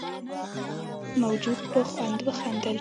موجود په خوند وخندل.